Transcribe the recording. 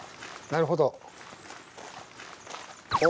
なるほど。